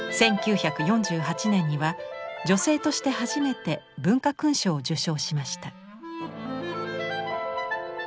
１９４８年には女性として初めて文化勲章を受章しました。